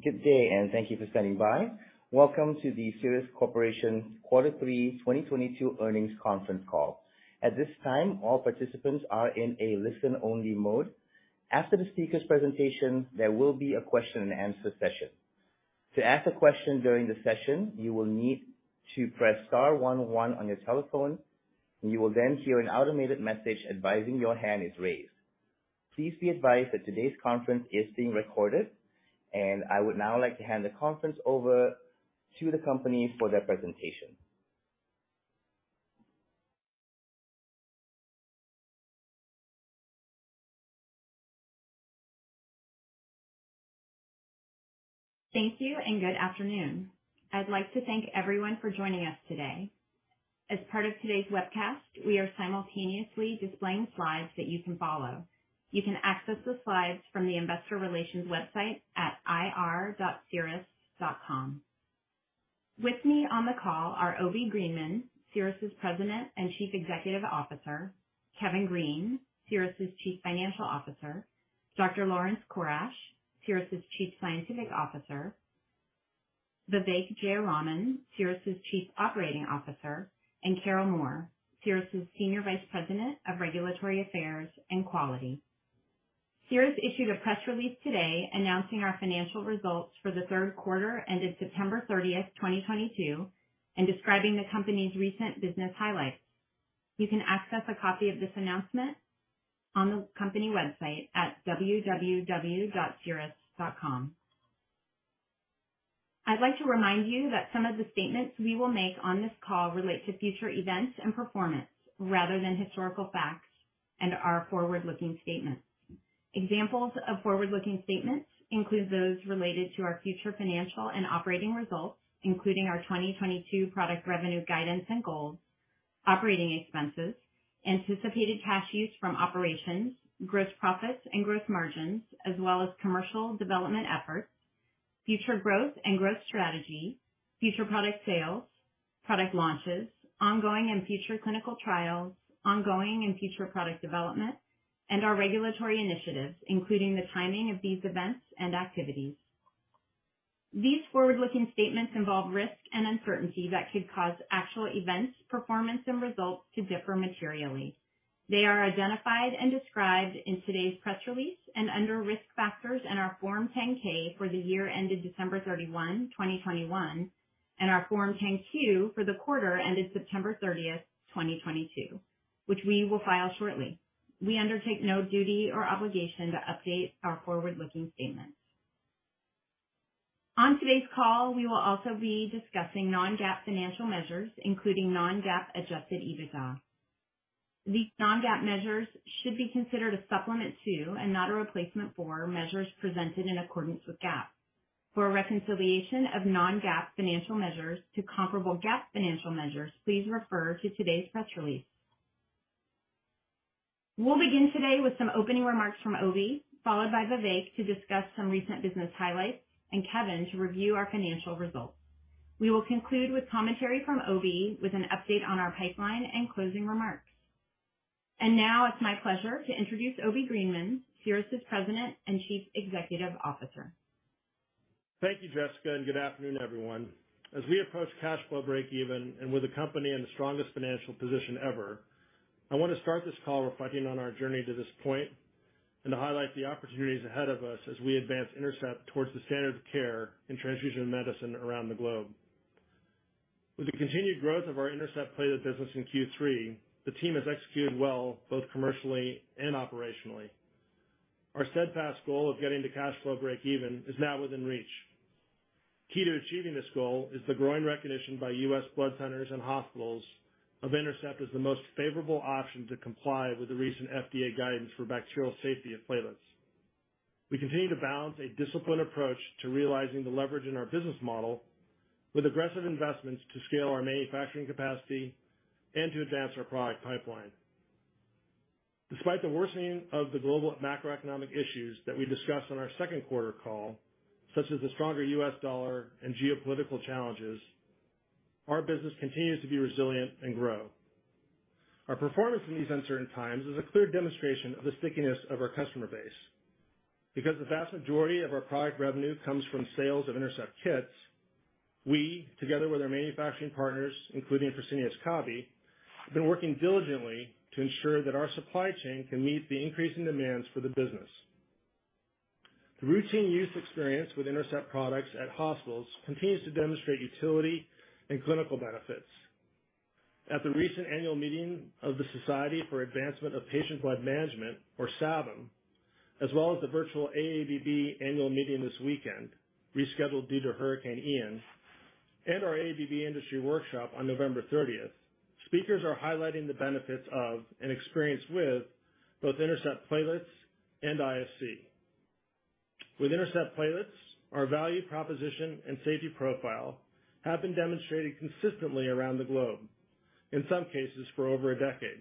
Good day, and thank you for standing by. Welcome to the Cerus Corporation quarter three 2022 earnings conference call. At this time, all participants are in a listen-only mode. After the speakers' presentation, there will be a question and answer session. To ask a question during the session, you will need to press star one one on your telephone, and you will then hear an automated message advising your hand is raised. Please be advised that today's conference is being recorded, and I would now like to hand the conference over to the company for their presentation. Thank you and good afternoon. I'd like to thank everyone for joining us today. As part of today's webcast, we are simultaneously displaying slides that you can follow. You can access the slides from the investor relations website at ir.cerus.com. With me on the call are William Greenman, Cerus's President and Chief Executive Officer, Kevin Green, Cerus's Chief Financial Officer, Dr. Laurence Corash, Cerus's Chief Scientific Officer, Vivek K. Jayaraman, Cerus's Chief Operating Officer, and Carol Moore, Cerus's Senior Vice President of Regulatory Affairs and Quality. Cerus issued a press release today announcing our financial results for the third quarter ended September 30, 2022, and describing the company's recent business highlights. You can access a copy of this announcement on the company website at www.cerus.com. I'd like to remind you that some of the statements we will make on this call relate to future events and performance rather than historical facts and are forward-looking statements. Examples of forward-looking statements include those related to our future financial and operating results, including our 2022 product revenue guidance and goals, operating expenses, anticipated cash use from operations, gross profits and gross margins, as well as commercial development efforts, future growth and growth strategy, future product sales, product launches, ongoing and future clinical trials, ongoing and future product development, and our regulatory initiatives, including the timing of these events and activities. These forward-looking statements involve risks and uncertainties that could cause actual events, performance, and results to differ materially. They are identified and described in today's press release and under Risk Factors in our Form 10-K for the year ended December 31, 2021, and our Form 10-Q for the quarter ended September 30, 2022, which we will file shortly. We undertake no duty or obligation to update our forward-looking statements. On today's call, we will also be discussing non-GAAP financial measures, including non-GAAP adjusted EBITDA. These non-GAAP measures should be considered a supplement to, and not a replacement for, measures presented in accordance with GAAP. For a reconciliation of non-GAAP financial measures to comparable GAAP financial measures, please refer to today's press release. We'll begin today with some opening remarks from Obi, followed by Vivek to discuss some recent business highlights and Kevin to review our financial results. We will conclude with commentary from Obi with an update on our pipeline and closing remarks. Now it's my pleasure to introduce William Greenman, Cerus's President and Chief Executive Officer. Thank you, Jessica, and good afternoon, everyone. As we approach cash flow breakeven and with the company in the strongest financial position ever, I want to start this call reflecting on our journey to this point and to highlight the opportunities ahead of us as we advance INTERCEPT towards the standard of care in transfusion medicine around the globe. With the continued growth of our INTERCEPT platelet business in Q3, the team has executed well both commercially and operationally. Our steadfast goal of getting to cash flow breakeven is now within reach. Key to achieving this goal is the growing recognition by U.S. blood centers and hospitals of INTERCEPT as the most favorable option to comply with the recent FDA guidance for bacterial safety of platelets. We continue to balance a disciplined approach to realizing the leverage in our business model with aggressive investments to scale our manufacturing capacity and to advance our product pipeline. Despite the worsening of the global macroeconomic issues that we discussed on our second quarter call, such as the stronger U.S. dollar and geopolitical challenges, our business continues to be resilient and grow. Our performance in these uncertain times is a clear demonstration of the stickiness of our customer base. Because the vast majority of our product revenue comes from sales of INTERCEPT kits, we, together with our manufacturing partners, including Fresenius Kabi, have been working diligently to ensure that our supply chain can meet the increasing demands for the business. The routine use experience with INTERCEPT products at hospitals continues to demonstrate utility and clinical benefits. At the recent annual meeting of the Society for Advancement of Patient Blood Management, or SAPBM, as well as the virtual AABB annual meeting this weekend, rescheduled due to Hurricane Ian, and our AABB industry workshop on November 30, speakers are highlighting the benefits of and experience with both INTERCEPT platelets and IFC. With INTERCEPT platelets, our value proposition and safety profile have been demonstrated consistently around the globe, in some cases for over a decade.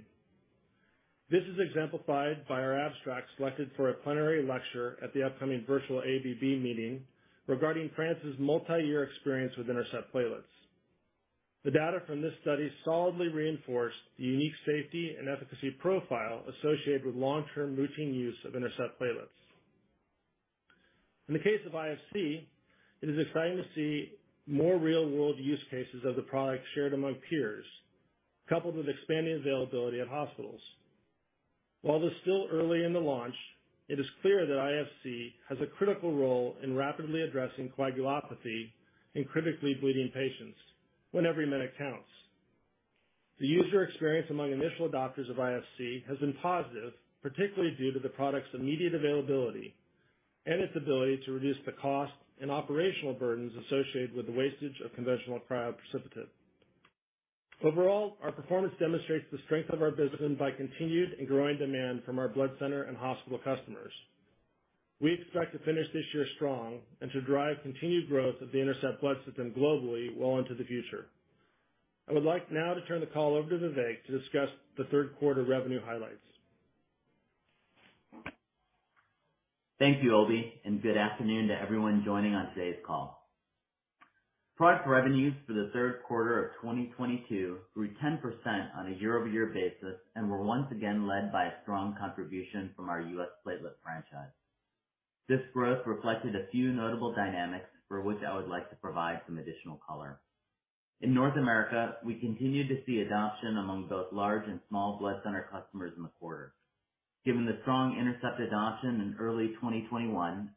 This is exemplified by our abstract selected for a plenary lecture at the upcoming virtual AABB meeting regarding France's multi-year experience with INTERCEPT platelets. The data from this study solidly reinforced the unique safety and efficacy profile associated with long-term routine use of INTERCEPT platelets. In the case of IFC, it is exciting to see more real-world use cases of the product shared among peers, coupled with expanding availability at hospitals. While it's still early in the launch, it is clear that IFC has a critical role in rapidly addressing coagulopathy in critically bleeding patients when every minute counts. The user experience among initial adopters of IFC has been positive, particularly due to the product's immediate availability and its ability to reduce the cost and operational burdens associated with the wastage of conventional cryoprecipitate. Overall, our performance demonstrates the strength of our business and the continued and growing demand from our blood center and hospital customers. We expect to finish this year strong and to drive continued growth of the INTERCEPT Blood System globally well into the future. I would like now to turn the call over to Vivek to discuss the third quarter revenue highlights. Thank you, Obi, and good afternoon to everyone joining on today's call. Product revenues for the third quarter of 2022 grew 10% on a year-over-year basis and were once again led by a strong contribution from our U.S. platelet franchise. This growth reflected a few notable dynamics for which I would like to provide some additional color. In North America, we continued to see adoption among both large and small blood center customers in the quarter. Given the strong INTERCEPT adoption in early 2021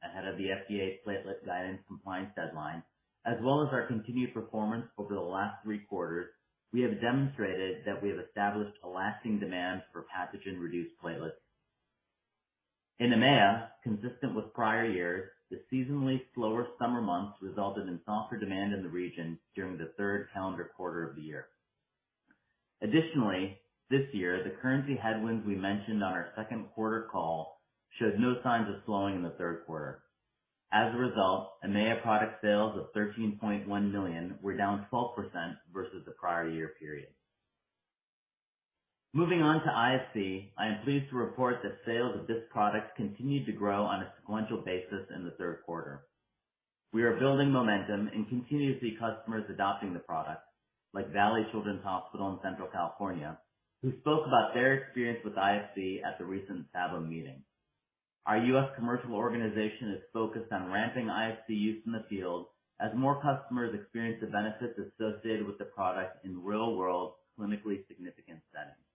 ahead of the FDA's platelet guidance compliance deadline, as well as our continued performance over the last three quarters, we have demonstrated that we have established a lasting demand for pathogen reduced platelets. In EMEA, consistent with prior years, the seasonally slower summer months resulted in softer demand in the region during the third calendar quarter of the year. Additionally, this year, the currency headwinds we mentioned on our second quarter call showed no signs of slowing in the third quarter. As a result, EMEA product sales of $13.1 million were down 12% versus the prior year period. Moving on to IFC, I am pleased to report that sales of this product continued to grow on a sequential basis in the third quarter. We are building momentum and continue to see customers adopting the product, like Valley Children's Hospital in Central California, who spoke about their experience with IFC at the recent SABM meeting. Our U.S. commercial organization is focused on ramping IFC use in the field as more customers experience the benefits associated with the product in real-world, clinically significant settings.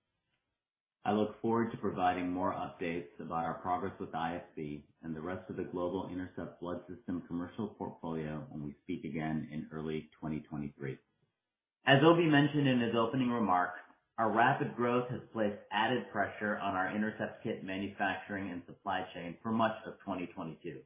I look forward to providing more updates about our progress with IFC and the rest of the global INTERCEPT Blood System commercial portfolio when we speak again in early 2023. As Obi mentioned in his opening remarks, our rapid growth has placed added pressure on our INTERCEPT kit manufacturing and supply chain for much of 2022.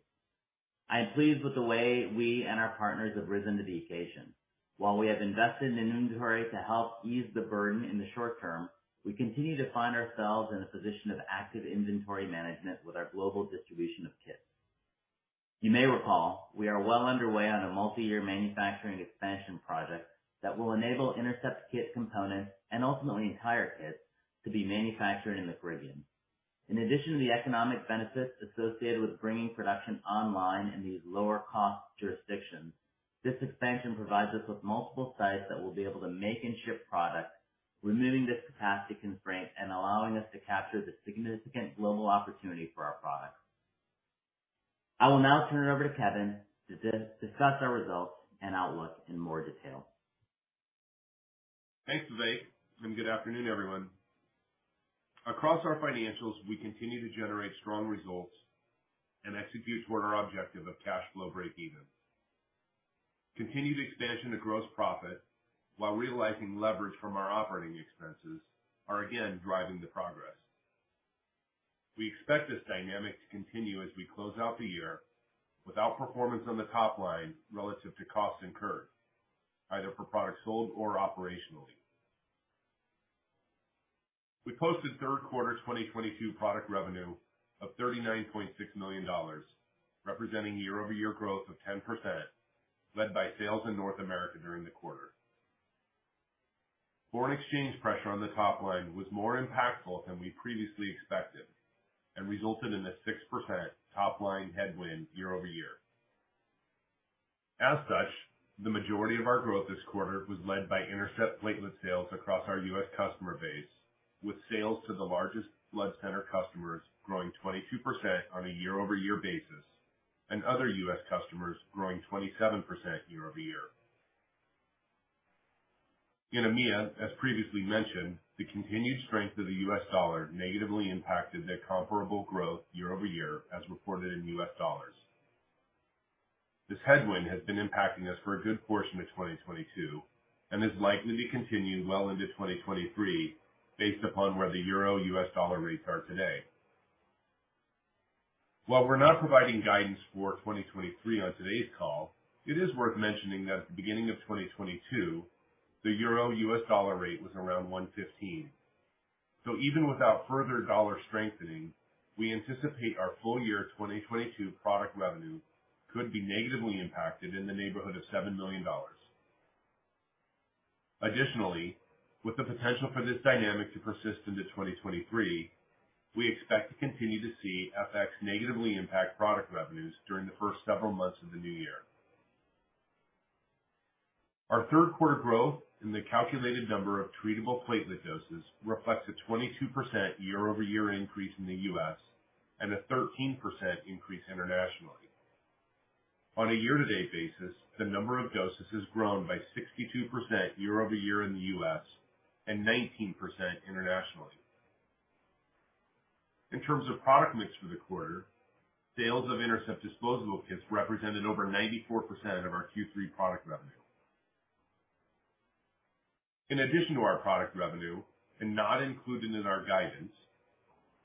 I am pleased with the way we and our partners have risen to the occasion. While we have invested in inventory to help ease the burden in the short term, we continue to find ourselves in a position of active inventory management with our global distribution of kits. You may recall, we are well underway on a multi-year manufacturing expansion project that will enable INTERCEPT kit components, and ultimately entire kits, to be manufactured in the Caribbean. In addition to the economic benefits associated with bringing production online in these lower cost jurisdictions, this expansion provides us with multiple sites that will be able to make and ship products, removing this capacity constraint and allowing us to capture the significant global opportunity for our products. I will now turn it over to Kevin to discuss our results and outlook in more detail. Thanks, Vivek, and good afternoon, everyone. Across our financials, we continue to generate strong results and execute toward our objective of cash flow breakeven. Continued expansion of gross profit while realizing leverage from our operating expenses are again driving the progress. We expect this dynamic to continue as we close out the year with our performance on the top line relative to costs incurred, either for products sold or operationally. We posted third quarter 2022 product revenue of $39.6 million, representing year-over-year growth of 10%, led by sales in North America during the quarter. Foreign exchange pressure on the top line was more impactful than we previously expected and resulted in a 6% top line headwind year-over-year. As such, the majority of our growth this quarter was led by INTERCEPT Platelet sales across our U.S. customer base, with sales to the largest blood center customers growing 22% on a year-over-year basis and other U.S. customers growing 27% year-over-year. In EMEA, as previously mentioned, the continued strength of the U.S. dollar negatively impacted the comparable growth year-over-year as reported in U.S. dollars. This headwind has been impacting us for a good portion of 2022 and is likely to continue well into 2023 based upon where the euro/U.S. dollar rates are today. While we're not providing guidance for 2023 on today's call, it is worth mentioning that at the beginning of 2022, the euro/U.S. dollar rate was around 1.15. Even without further dollar strengthening, we anticipate our full year 2022 product revenue could be negatively impacted in the neighborhood of $7 million. Additionally, with the potential for this dynamic to persist into 2023. We expect to continue to see FX negatively impact product revenues during the first several months of the new year. Our third quarter growth in the calculated number of treatable platelet doses reflects a 22% year-over-year increase in the U.S. and a 13% increase internationally. On a year-to-date basis, the number of doses has grown by 62% year-over-year in the U.S. and 19% internationally. In terms of product mix for the quarter, sales of INTERCEPT disposable kits represented over 94% of our Q3 product revenue. In addition to our product revenue and not included in our guidance,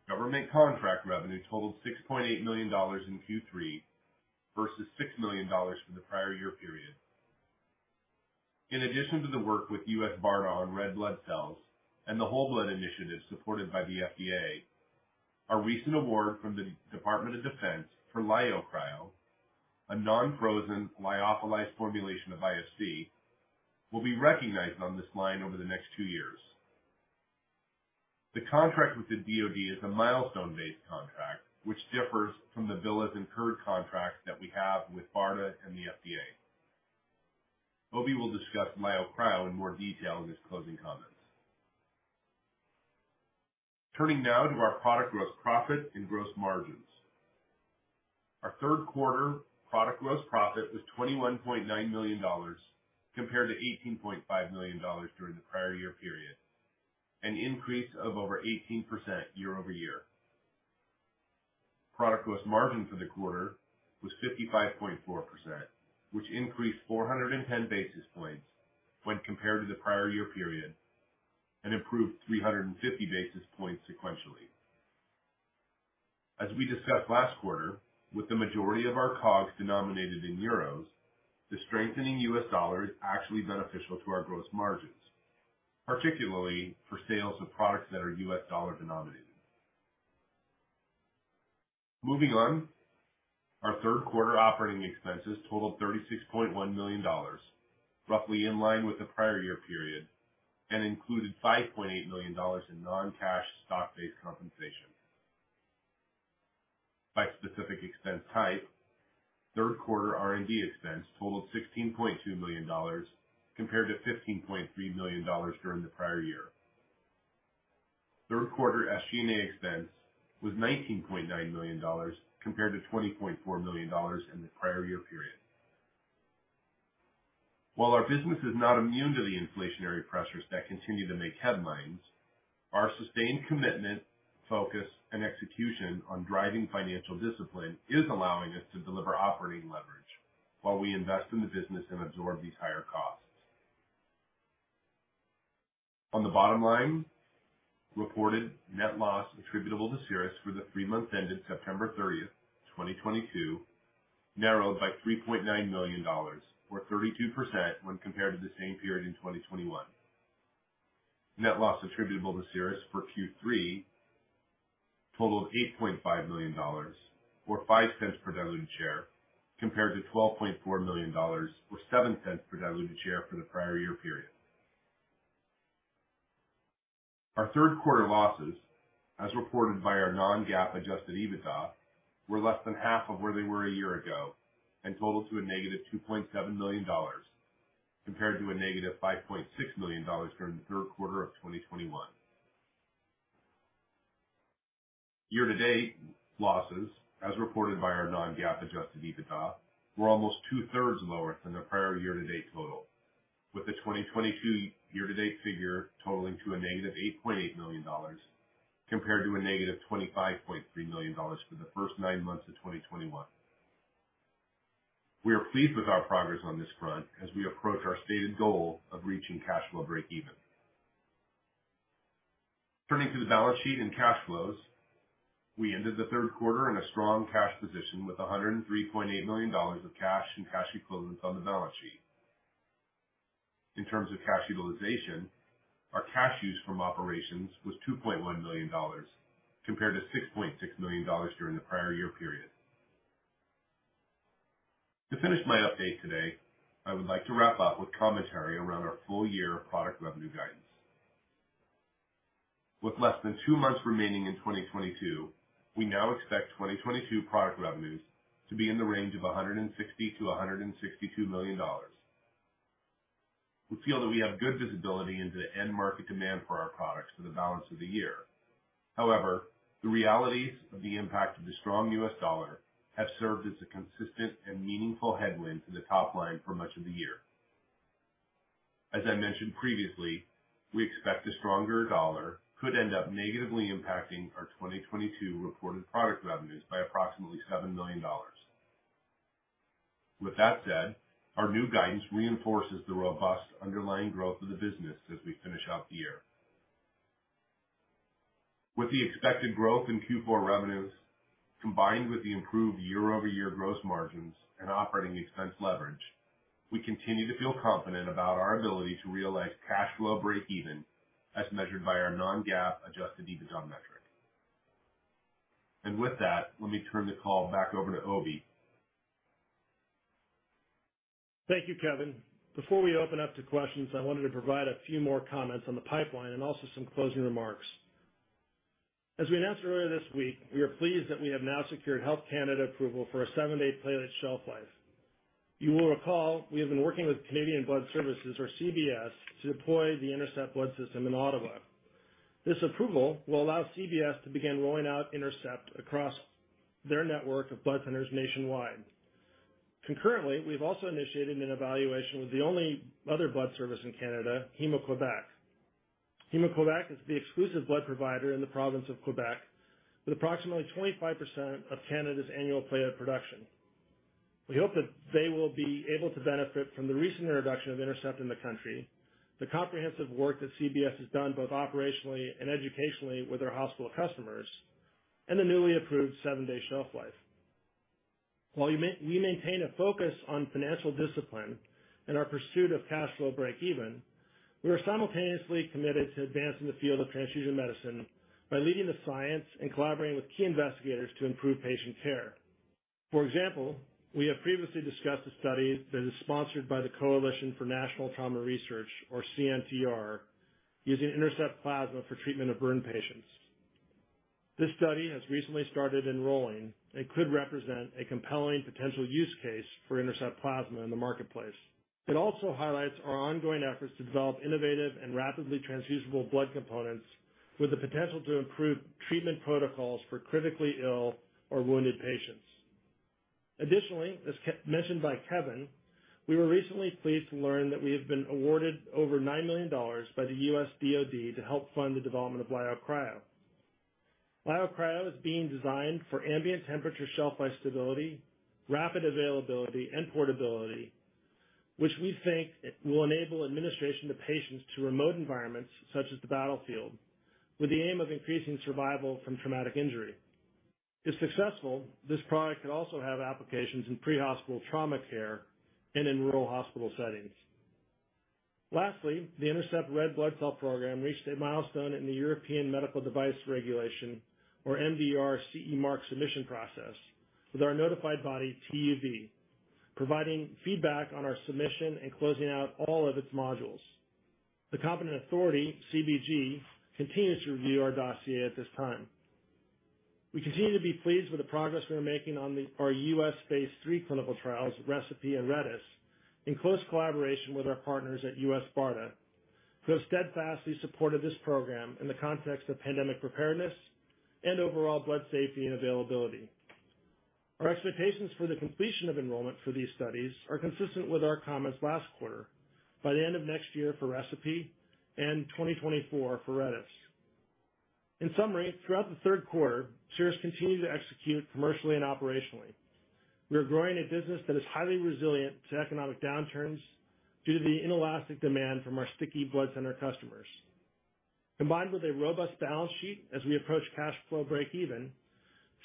government contract revenue totaled $6.8 million in Q3 versus $6 million for the prior year period. In addition to the work with U.S. BARDA on red blood cells and the whole blood initiative supported by the FDA, a recent award from the Department of Defense for LyoCryo, a non-frozen lyophilized formulation of cryo, will be recognized on this line over the next two years. The contract with the DoD is a milestone-based contract, which differs from the billed as incurred contracts that we have with BARDA and the FDA. Obi will discuss LyoCryo in more detail in his closing comments. Turning now to our product gross profit and gross margins. Our third quarter product gross profit was $21.9 million compared to $18.5 million during the prior year period, an increase of over 18% year-over-year. Product gross margin for the quarter was 55.4%, which increased 410 basis points when compared to the prior year period and improved 350 basis points sequentially. As we discussed last quarter, with the majority of our COGS denominated in euros, the strengthening U.S. dollar is actually beneficial to our gross margins, particularly for sales of products that are U.S. dollar-denominated. Moving on. Our third quarter operating expenses totaled $36.1 million, roughly in line with the prior year period, and included $5.8 million in non-cash stock-based compensation. By specific expense type, third quarter R&D expense totaled $16.2 million compared to $15.3 million during the prior year. Third quarter SG&A expense was $19.9 million compared to $20.4 million in the prior year period. While our business is not immune to the inflationary pressures that continue to make headlines, our sustained commitment, focus, and execution on driving financial discipline is allowing us to deliver operating leverage while we invest in the business and absorb these higher costs. On the bottom line, reported net loss attributable to Cerus for the three months ended September 30, 2022 narrowed by $3.9 million or 32% when compared to the same period in 2021. Net loss attributable to Cerus for Q3 totaled $8.5 million or $0.05 per diluted share, compared to $12.4 million or $0.07 per diluted share for the prior year period. Our third quarter losses, as reported by our non-GAAP adjusted EBITDA, were less than half of where they were a year ago and totaled to a -$2.7 million, compared to a -$5.6 million during the third quarter of 2021. Year-to-date losses as reported by our non-GAAP adjusted EBITDA, were almost two-thirds lower than the prior year-to-date total, with the 2022 year-to-date figure totaling to a -$8.8 million compared to a -$25.3 million for the first nine months of 2021. We are pleased with our progress on this front as we approach our stated goal of reaching cash flow breakeven. Turning to the balance sheet and cash flows. We ended the third quarter in a strong cash position with $103.8 million of cash and cash equivalents on the balance sheet. In terms of cash utilization, our cash use from operations was $2.1 million, compared to $6.6 million during the prior year period. To finish my update today, I would like to wrap up with commentary around our full year product revenue guidance. With less than two months remaining in 2022, we now expect 2022 product revenues to be in the range of $160 million-$162 million. We feel that we have good visibility into the end market demand for our products for the balance of the year. However, the realities of the impact of the strong US dollar have served as a consistent and meaningful headwind to the top line for much of the year. As I mentioned previously, we expect a stronger dollar could end up negatively impacting our 2022 reported product revenues by approximately $7 million. With that said, our new guidance reinforces the robust underlying growth of the business as we finish out the year. With the expected growth in Q4 revenues, combined with the improved year-over-year gross margins and operating expense leverage, we continue to feel confident about our ability to realize cash flow breakeven as measured by our non-GAAP adjusted EBITDA metric. With that, let me turn the call back over to Obi. Thank you, Kevin. Before we open up to questions, I wanted to provide a few more comments on the pipeline and also some closing remarks. As we announced earlier this week, we are pleased that we have now secured Health Canada approval for a seven-day platelet shelf life. You will recall we have been working with Canadian Blood Services, or CBS, to deploy the INTERCEPT Blood System in Ottawa. This approval will allow CBS to begin rolling out INTERCEPT across their network of blood centers nationwide. Concurrently, we've also initiated an evaluation with the only other blood service in Canada, Héma-Québec. Héma-Québec is the exclusive blood provider in the province of Quebec, with approximately 25% of Canada's annual platelet production. We hope that they will be able to benefit from the recent introduction of INTERCEPT in the country, the comprehensive work that CBS has done both operationally and educationally with their hospital customers, and the newly approved seven-day shelf life. While we maintain a focus on financial discipline and our pursuit of cash flow break even, we are simultaneously committed to advancing the field of transfusion medicine by leading the science and collaborating with key investigators to improve patient care. For example, we have previously discussed a study that is sponsored by the Coalition for National Trauma Research, or CNTR, using INTERCEPT Plasma for treatment of burn patients. This study has recently started enrolling and could represent a compelling potential use case for INTERCEPT Plasma in the marketplace. It also highlights our ongoing efforts to develop innovative and rapidly transfusible blood components with the potential to improve treatment protocols for critically ill or wounded patients. Additionally, as mentioned by Kevin, we were recently pleased to learn that we have been awarded over $9 million by the U.S. DoD to help fund the development of LyoCryo. LyoCryo is being designed for ambient temperature shelf life stability, rapid availability, and portability, which we think will enable administration to patients in remote environments such as the battlefield, with the aim of increasing survival from traumatic injury. If successful, this product could also have applications in pre-hospital trauma care and in rural hospital settings. Lastly, the INTERCEPT Red Blood Cell program reached a milestone in the European Medical Device Regulation, or MDR CE Mark submission process, with our notified body, TÜV, providing feedback on our submission and closing out all of its modules. The competent authority, CBG, continues to review our dossier at this time. We continue to be pleased with the progress we are making on our U.S. phase three clinical trials, ReCePI and RedeS, in close collaboration with our partners at U.S. BARDA, who have steadfastly supported this program in the context of pandemic preparedness and overall blood safety and availability. Our expectations for the completion of enrollment for these studies are consistent with our comments last quarter, by the end of next year for ReCePI and 2024 for RedeS. In summary, throughout the third quarter, Cerus continued to execute commercially and operationally. We are growing a business that is highly resilient to economic downturns due to the inelastic demand from our sticky blood center customers. Combined with a robust balance sheet as we approach cash flow break even,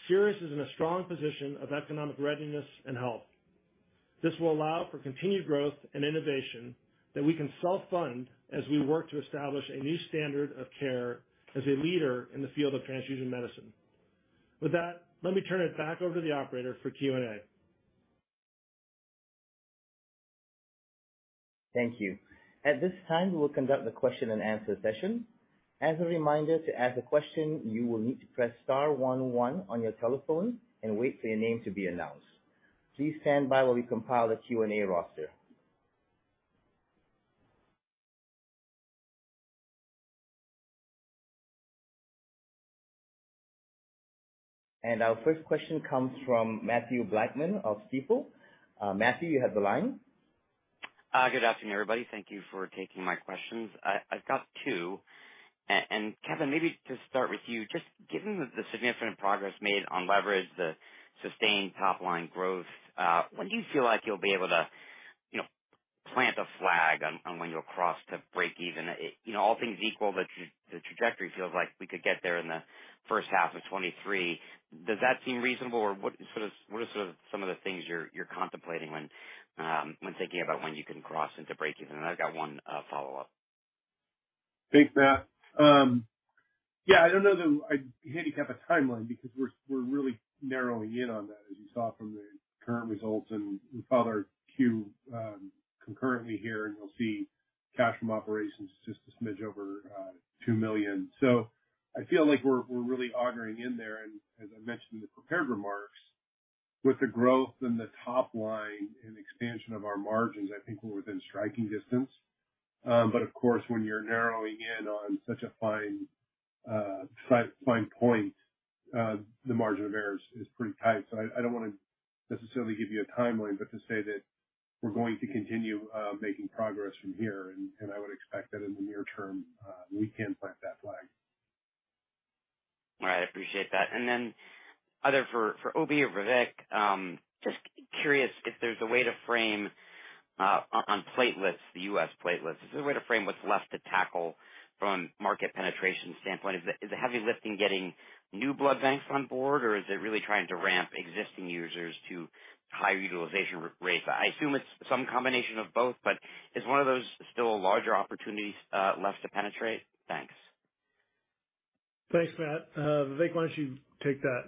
Cerus is in a strong position of economic readiness and health. This will allow for continued growth and innovation that we can self-fund as we work to establish a new standard of care as a leader in the field of transfusion medicine. With that, let me turn it back over to the Operator for Q&A. Thank you. At this time, we will conduct the question and answer session. As a reminder, to ask a question, you will need to press star one one on your telephone and wait for your name to be announced. Please stand by while we compile the Q&A roster. Our first question comes from Matthew Blackman of Stifel. Matthew, you have the line. Good afternoon, everybody. Thank you for taking my questions. I've got two. Kevin, maybe to start with you, just given the significant progress made on leverage, the sustained top line growth, when do you feel like you'll be able to, you know, plant a flag on when you'll cross to break even? You know, all things equal, the trajectory feels like we could get there in the first half of 2023. Does that seem reasonable, or what sort of, what are sort of some of the things you're contemplating when thinking about when you can cross into break even? I've got one follow-up. Thanks, Matt. Yeah, I don't know that I'd handicap a timeline because we're really narrowing in on that, as you saw from the current results, and we filed our 10-Q concurrently here, and you'll see cash from operations just a smidge over $2 million. I feel like we're really honing in there. As I mentioned in the prepared remarks, with the growth in the top line and expansion of our margins, I think we're within striking distance. Of course, when you're narrowing in on such a fine point, the margin for error is pretty tight. I don't wanna necessarily give you a timeline, but to say that we're going to continue making progress from here, and I would expect that in the near term, we can plant that flag. All right. I appreciate that. Then either for Obi or Vivek, just curious if there's a way to frame on platelets, the U.S. platelets, is there a way to frame what's left to tackle from market penetration standpoint? Is the heavy lifting getting new blood banks on board, or is it really trying to ramp existing users to higher utilization rates? I assume it's some combination of both, but is one of those still larger opportunities left to penetrate? Thanks. Thanks, Matt. Vivek, why don't you take that?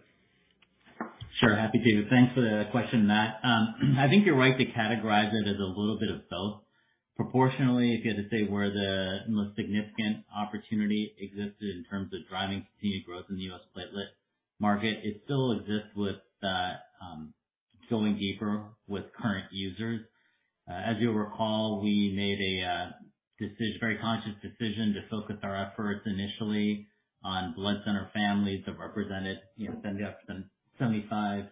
Sure, happy to. Thanks for the question, Matt. I think you're right to categorize it as a little bit of both. Proportionally, if you had to say where the most significant opportunity existed in terms of driving continued growth in the U.S. platelet market, it still exists with going deeper with current users. As you'll recall, we made a very conscious decision to focus our efforts initially on blood center families that represented, you know, 75%-80%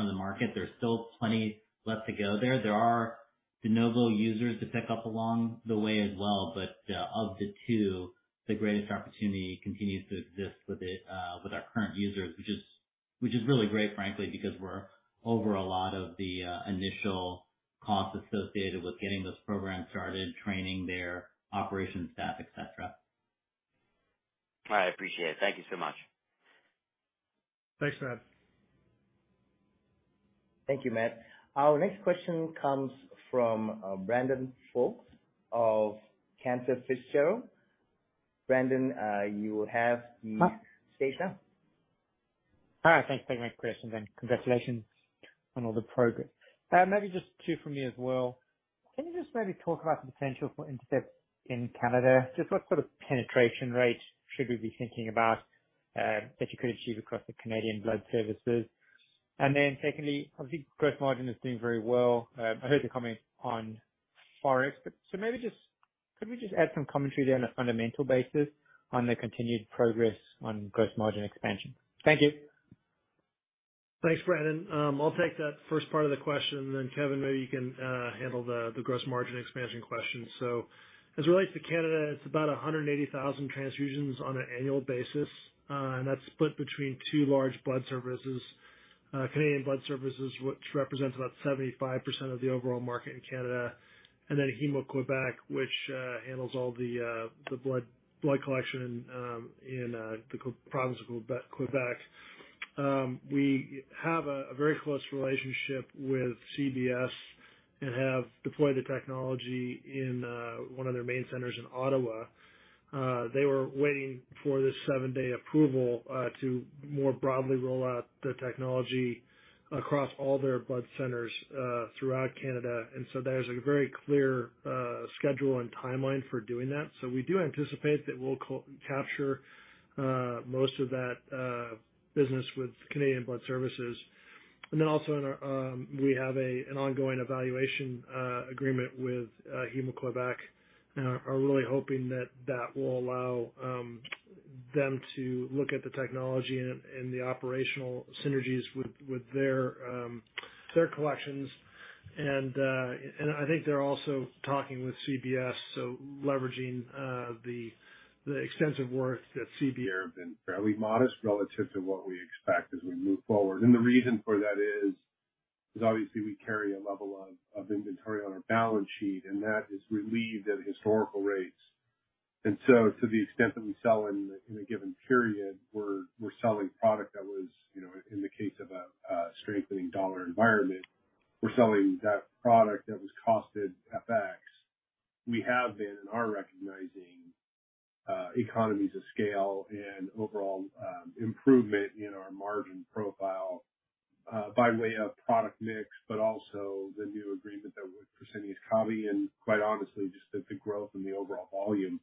of the market. There's still plenty left to go there. There are de novo users to pick up along the way as well, but of the two, the greatest opportunity continues to exist with our current users. Which is really great, frankly, because we're over a lot of the initial costs associated with getting this program started, training their operations staff, et cetera. All right, appreciate it. Thank you so much. Thanks, Matt. Thank you, Matt. Our next question comes from Brandon Folkes of Cantor Fitzgerald. Brandon, you will have the stage now. All right. Thanks. Thanks for taking my question, and congratulations on all the progress. Maybe just two from me as well. Can you just maybe talk about the potential for INTERCEPT in Canada? Just what sort of penetration rate should we be thinking about that you could achieve across the Canadian Blood Services? And then secondly, obviously, gross margin is doing very well. I heard the comment on FX, but so maybe just could we just add some commentary there on a fundamental basis on the continued progress on gross margin expansion? Thank you. Thanks, Brandon. I'll take that first part of the question, and then Kevin, maybe you can handle the gross margin expansion question. As it relates to Canada, it's about 180,000 transfusions on an annual basis. And that's split between two large blood services. Canadian Blood Services, which represents about 75% of the overall market in Canada, and then Héma-Québec, which handles all the blood collection in the provinces of Québec. We have a very close relationship with CBS and have deployed the technology in one of their main centers in Ottawa. They were waiting for this seven-day approval to more broadly roll out the technology across all their blood centers throughout Canada. There's a very clear schedule and timeline for doing that. We do anticipate that we'll capture most of that business with Canadian Blood Services. In Quebec we have an ongoing evaluation agreement with Héma-Québec, and are really hoping that that will allow them to look at the technology and the operational synergies with their collections. I think they're also talking with CBS, so leveraging the extensive work that CBS has been fairly modest relative to what we expect as we move forward. The reason for that is obviously we carry a level of inventory on our balance sheet, and that is relieved at historical rates. To the extent that we sell in a given period, we're selling product that was, you know, in the case of a strengthening dollar environment, we're selling that product that was costed FX. We have been and are recognizing economies of scale and overall improvement in our margin profile by way of product mix, but also the new agreement that with Fresenius Kabi, and quite honestly, just the growth in the overall volume.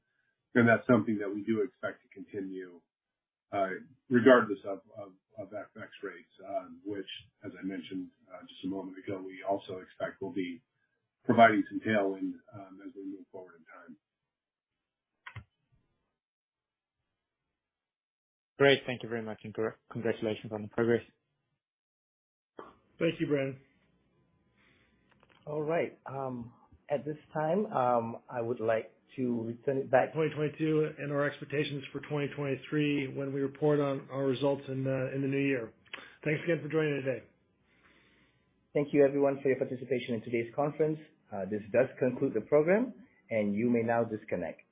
That's something that we do expect to continue regardless of FX rates, which as I mentioned just a moment ago, we also expect will be providing some tailwind as we move forward in time. Great. Thank you very much and congratulations on the progress. Thank you, Brandon. All right. At this time, I would like to return it back. 2022 and our expectations for 2023 when we report on our results in the new year. Thanks again for joining today. Thank you everyone for your participation in today's conference. This does conclude the program and you may now disconnect.